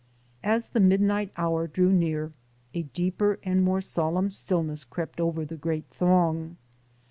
As the midnight hour drew near, a deeper and more solemn stillness crept over the great throng.